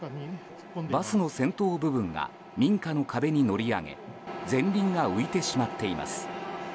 バスの先頭部分が民家の壁に乗り上げ前輪が浮いてしまっています。